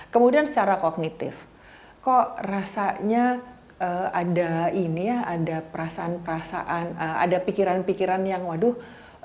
kemudian secara kognitif kok rasanya ada ini ya ada perasaan perasaan ada pikiran pikiran yang waduh